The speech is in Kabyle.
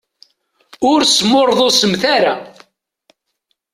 Ur smurḍusemt ara.